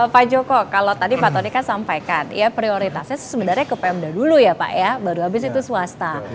pak joko kalau tadi pak tony kan sampaikan ya prioritasnya sebenarnya ke pemda dulu ya pak ya baru habis itu swasta